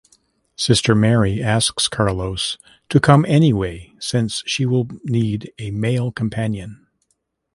Sister Mary asks Carlos to come anyway since she will need a "male companion".